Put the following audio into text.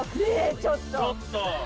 ちょっと。